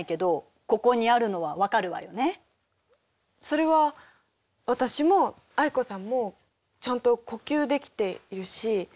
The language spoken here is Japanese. それは私も藍子さんもちゃんと呼吸できているし。